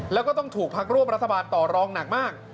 แล้วก็ต้องถูกพักร่วมรัฐบาลต่อรองหนักมาก